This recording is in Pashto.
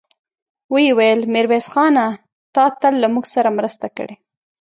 ويې ويل: ميرويس خانه! تا تل له موږ سره مرسته کړې.